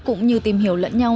cũng như tìm hiểu lẫn nhau